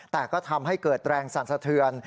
แต่ก็ทำให้เกิดแรงสั่นสะเทือน